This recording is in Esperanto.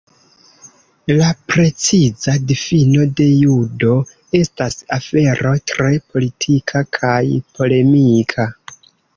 La preciza difino de "Judo" estas afero tre politika kaj polemika.